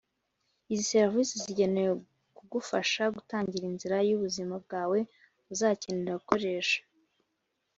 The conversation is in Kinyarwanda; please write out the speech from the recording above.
Izi serivise zigenewe kugufasha gutangira inzira y ubuzima bwawe Uzakenera gukoresha